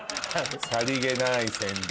さりげない宣伝。